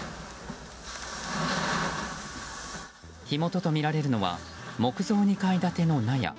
火元とみられるのは木造２階建ての納屋。